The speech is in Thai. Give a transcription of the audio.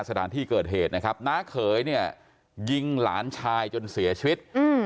สถานที่เกิดเหตุนะครับน้าเขยเนี่ยยิงหลานชายจนเสียชีวิต